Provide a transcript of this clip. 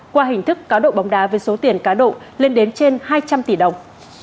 qua hình thức cá độ bóng đá với số tiền cá độ lên đến trên hai trăm linh tỷ đồng